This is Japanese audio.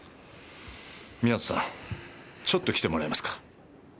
港さんちょっと来てもらえますか？